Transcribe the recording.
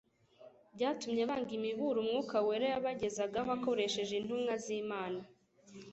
byatumye banga imiburo Umwuka wera yabagezagaho akoresheje intumwa z'Imana.